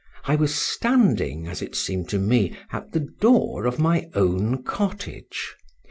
I was standing, as it seemed to me, at the door of my own cottage.